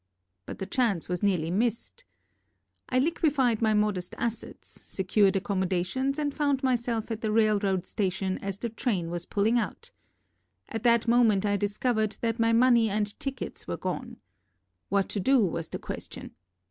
But the chance was nearly mist. I liquefied my modest assets, secured accom modations and found myself at the railroad station as the train was pulling out. At that moment I discovered that my money and tickets were gone. What to do was the question.